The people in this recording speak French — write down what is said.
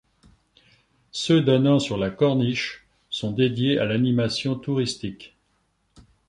Ceux donnant sur la corniche sont dédiées à l'animation touristique.